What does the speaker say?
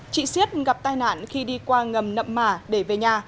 chị siết gặp tai nạn khi đi qua ngầm nậm mả để về nhà